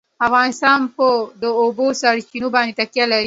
افغانستان په د اوبو سرچینې باندې تکیه لري.